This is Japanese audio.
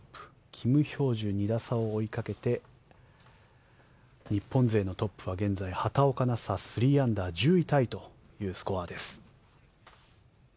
キム・ヒョージュ２打差を追いかけて日本勢のトップは現在、畑岡奈紗、３アンダー１０位タイというスコアです。